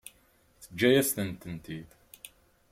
Teǧǧa-yas-tent-id.